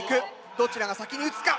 どちらが先に打つか⁉